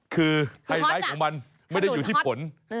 คือไฮไลท์ของมันไม่ได้อยู่ที่ผล